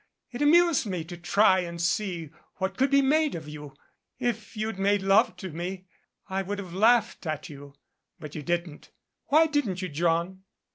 It amused me to try and see what could be made of you. If you'd made love to me, I would have laughed at you. But you didn't. Why didn't you, John?